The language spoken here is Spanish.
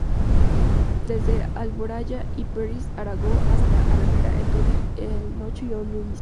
Desde Alboraya-Peris Aragó hasta Alameda, el túnel es ancho y de doble vía.